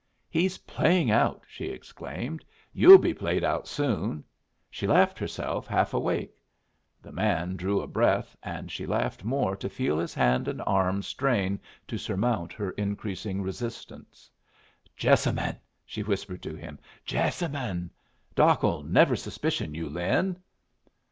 "He's playing out!" she exclaimed. "You'll be played out soon." She laughed herself half awake. The man drew a breath, and she laughed more to feel his hand and arm strain to surmount her increasing resistance. "Jessamine!" she whispered to him. "Jessamine! Doc'll never suspicion you, Lin."